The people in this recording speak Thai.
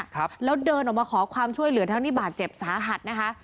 ครับแล้วเดินออกมาขอความช่วยเหลือทั้งที่บาดเจ็บสาหัสนะคะ